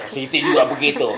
siti juga begitu